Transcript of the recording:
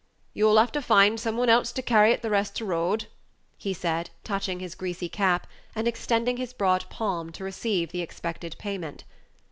"You'll have to find some one else to carry it th' rest 't' ro ad," he said, touching his greasy cap, and extending his broad palm to receive the expected payment.